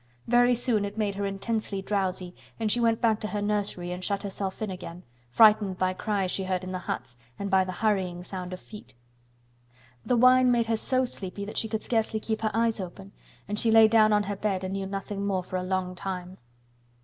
Very soon it made her intensely drowsy, and she went back to her nursery and shut herself in again, frightened by cries she heard in the huts and by the hurrying sound of feet. The wine made her so sleepy that she could scarcely keep her eyes open and she lay down on her bed and knew nothing more for a long time.